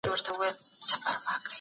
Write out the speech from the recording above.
حميد الله حميد حيات الله کاکړ